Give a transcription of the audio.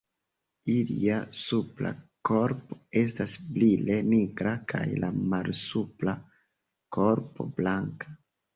Ilia supra korpo estas brile nigra kaj la malsupra korpo blanka.